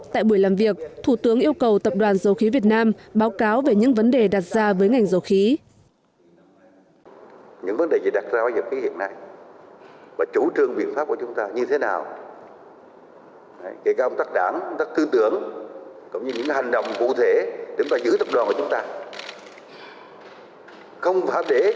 tại buổi làm việc thủ tướng yêu cầu tập đoàn dầu khí việt nam báo cáo về những vấn đề đặt ra với ngành dầu khí